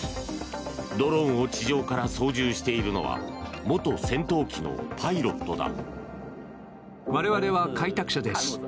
ドローンを地上から操縦しているのは元戦闘機のパイロットだ。